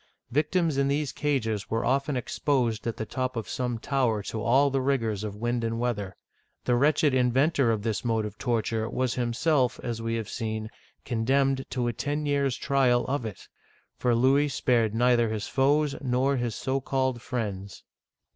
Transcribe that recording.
Victims in these cages were often exposed at the top of some tower to all the rigors of wind and weather. The wretched inventor of this mode of torture, was himself, as we have seen, condemned to a ten years* trial of it ; for Louis spared neither his foes nor his so called friends.